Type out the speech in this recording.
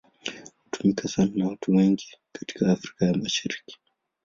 Hutumika sana na watu wengi katika Afrika ya Mashariki.